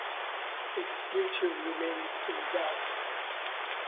Its future remains in doubt.